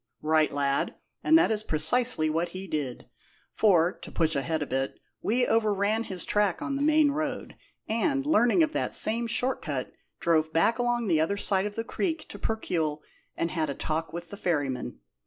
"Right, lad; and that is precisely what he did; for to push ahead a bit we overran his track on the main road, and, learning of that same short cut, drove back along the other side of the creek to Percuil, and had a talk with the ferryman.